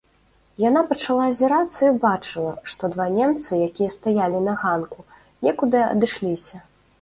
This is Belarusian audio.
Яна пачала азірацца і ўбачыла, што два немцы, якія стаялі на ганку, некуды адышліся.